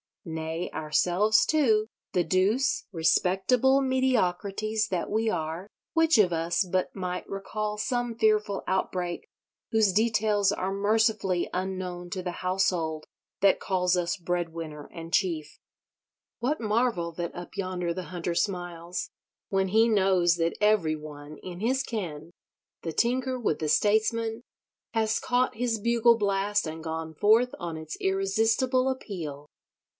Nay, ourselves, too—the douce, respectable mediocrities that we are—which of us but might recall some fearful outbreak whose details are mercifully unknown to the household that calls us breadwinner and chief? What marvel that up yonder the Hunter smiles? When he knows that every one in his ken, the tinker with the statesman, has caught his bugle blast and gone forth on its irresistible appeal!